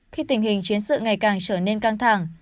khi tình hình chiến sự ngày càng trở nên căng thẳng